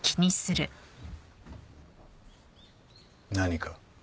何か？